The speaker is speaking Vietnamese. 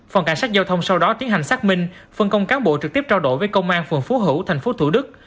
phòng cảnh sát giao thông sau đó tiến hành xác minh phân công cán bộ trực tiếp trao đổi với công an phường phú hữu tp thủ đức